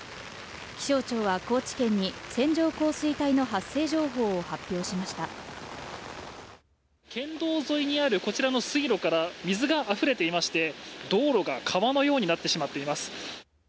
気象庁は高知県に線状降水帯の発生情報を発表しました県道沿いにあるこちらの水路から水があふれていまして道路が川のようになってしまっています